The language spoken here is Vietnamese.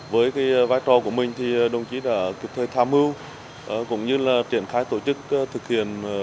với vai trò của mình thì đồng chí đã kịp thời tham mưu cũng như là triển khai tổ chức thực hiện